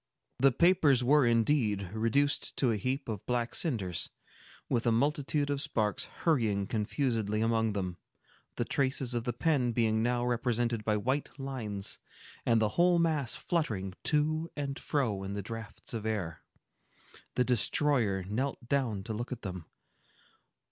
The papers were indeed reduced to a heap of black cinders, with a multitude of sparks hurrying confusedly among them, the traces of the pen being now represented by white lines, and the whole mass fluttering to and fro in the draughts of air. The destroyer knelt down to look at them.